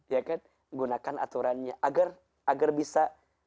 ya kan gunakan aturannya agar bisa